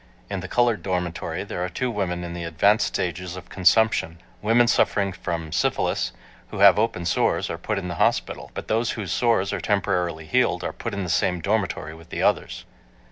In the colored dormitory there are two women in the advanced stages of consumption. Women suffering from, syphilis, who have open sores, are put in the hospital. But those whose sores are temporarily healed are put in the same dormitory with the others.